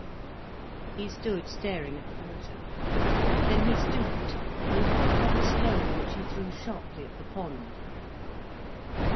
He stood staring at the water. Then he stooped and picked up a stone, which he threw sharply at the pond.